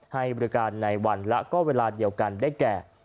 ให้บริการในวันและก็เวลาเดียวกันได้แก่